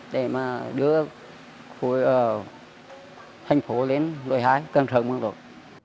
để mà đưa thành phố lên lội hái cân trọng hơn rồi